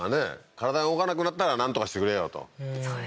体が動かなくなったらなんとかしてくれよとそうですね